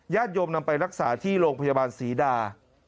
โยมนำไปรักษาที่โรงพยาบาลศรีดา